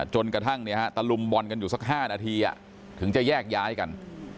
จนกระทั่งตะลุมบอลกันอยู่สัก๕นาทีถึงจะแยกย้ายกัน